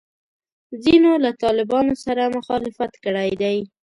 ځینو له طالبانو سره مخالفت کړی دی.